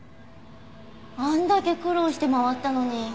あんだけ苦労して回ったのに。